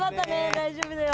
大丈夫だよ。